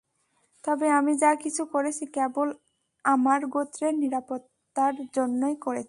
তবে আমি যা কিছু করেছি কেবল আমার গোত্রের নিরাপত্তার জন্যই করেছি।